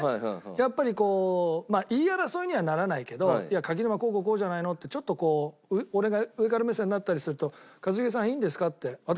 やっぱりこう言い争いにはならないけど「いや柿沼こうこうこうじゃないの？」ってちょっとこう俺が上から目線になったりすると。